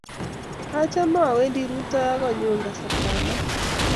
Achame awendi rutoi ak konyun kasartap maat.